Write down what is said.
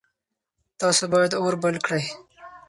تاسو باید اور بل کړئ.